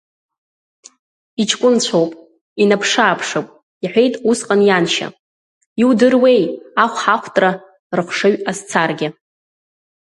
Иҷкәынцәоуп, инаԥшы-ааԥшып, — иҳәеит усҟан ианшьа, иудыруеи ахәҳахәтра рыхшыҩ азцаргьы.